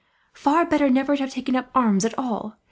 "Far better never to have taken up arms at all.